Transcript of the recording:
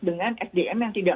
dengan sdm yang tidak